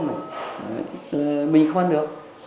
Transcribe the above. mình không ăn được